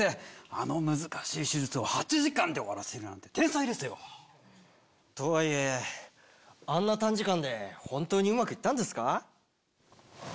あの難しい手術を８時間で終わらせるなんて天才ですよ！とはいえあんな短時間で本当にうまくいったんですか？